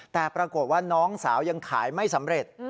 แต่ปรากฏว่าน้องสาวยังขายไม่สำเร็จ